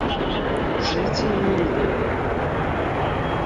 實際一點